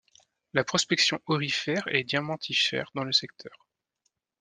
La prospection aurifère et diamantifère dans le secteur.